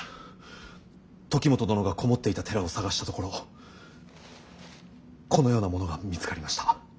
時元殿が籠もっていた寺を捜したところこのようなものが見つかりました。